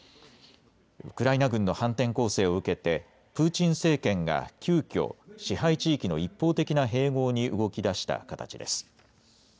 ウクライナ軍の反転攻勢を受けてプーチン政権が急きょ支配地域の一方的な併合に動きだした形です。